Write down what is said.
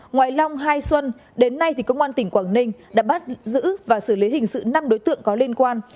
ngoài long hai xuân đến nay thì cơ quan tỉnh quảng ninh đã bắt giữ và xử lý hình sự năm đối tượng có liên quan